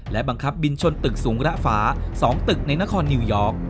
และบังคับบินชนตึกสูงระฝา๒ตึกในนครนิวยอร์ก